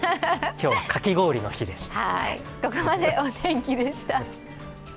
今日はかき氷の日でした。